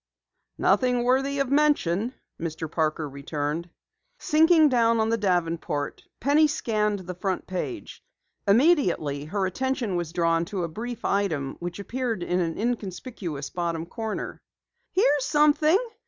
"Nothing worthy of mention," Mr. Parker returned. Sinking down on the davenport, Penny scanned the front page. Immediately her attention was drawn to a brief item which appeared in an inconspicuous bottom corner. "Here's something!"